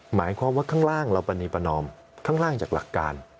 หมายความว่าข้างล่างเราปรณีประนอมข้างล่างจากหลักการ